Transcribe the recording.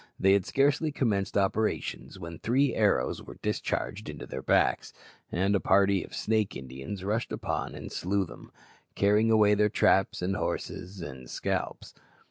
They had scarcely commenced operations when three arrows were discharged into their backs, and a party of Snake Indians rushed upon and slew them, carrying away their traps and horses and scalps.